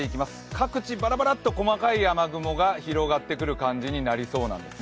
各地パラパラっと細かい雨雲が広がってくる感じになりそうなんです。